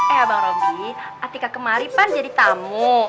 eh abang robby tika kemali kan jadi tamu